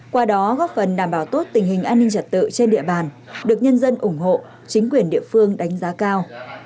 qua đó góp phần đảm bảo tốt tình hình an ninh trật tự trên địa bàn được nhân dân ủng hộ chính quyền địa phương đánh giá cao